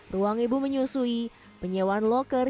ruang ibu menyusui penyewaan loker